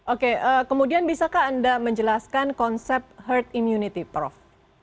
oke kemudian bisakah anda menjelaskan konsep herd immunity prof